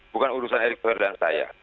bukan urusan erik thohir dengan saya